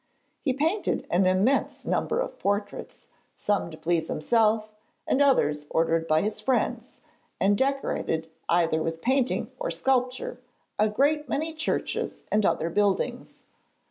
He painted an immense number of portraits, some to please himself and others ordered by his friends, and decorated, either with painting or sculpture, a great many churches and other buildings.